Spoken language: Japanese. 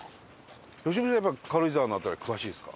良純さんはやっぱ軽井沢の辺り詳しいですか？